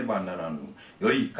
よいか。